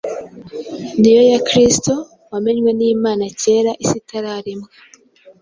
ni yo ya kristo, wamenywe n’imana kera, isi itararemwa,